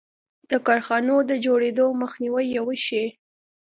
د کارخانو د جوړېدو مخنیوی یې وشي.